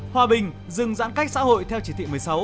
hòa bình dừng giãn cách xã hội theo chỉ thị một mươi sáu